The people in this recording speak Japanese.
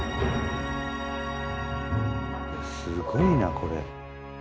すごいなこれ。